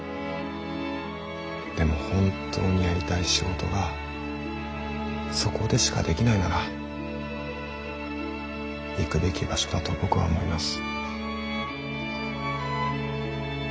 でも本当にやりたい仕事がそこでしかできないなら行くべき場所だと僕は思います。